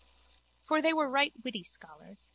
For they were right witty scholars.